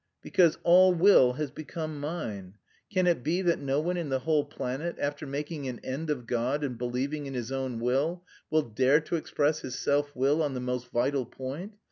"Because all will has become mine. Can it be that no one in the whole planet, after making an end of God and believing in his own will, will dare to express his self will on the most vital point?